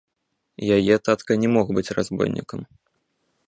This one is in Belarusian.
Яе татка не мог быць разбойнікам.